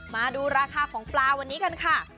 มาดูราคาของปลาวันนี้กันค่ะ